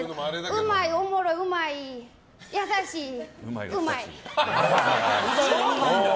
うまい、おもろい、うまい優しい、うまい。